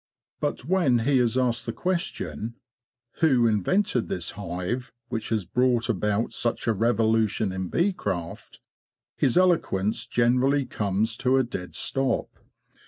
But when he is asked the question: Who invented this hive which has brought about such a revolution in bee craft? his eloquence generally comes to a dead stop.